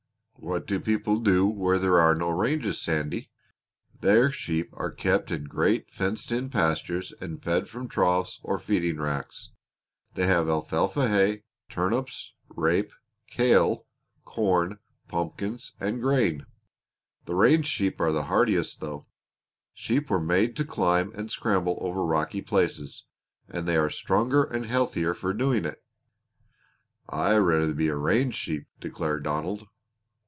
"What do people do where there are no ranges, Sandy?" "Their sheep are kept in great fenced in pastures and fed from troughs or feeding racks. They have alfalfa hay, turnips, rape, kale, corn, pumpkins and grain. The range sheep are the hardiest, though. Sheep were made to climb and scramble over rocky places, and they are stronger and healthier for doing it." "I'd rather be a range sheep!" declared Donald.